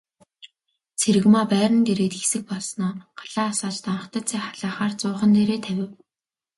Цэрэгмаа байрандаа ирээд хэсэг болсноо галаа асааж данхтай цай халаахаар зуухан дээрээ тавив.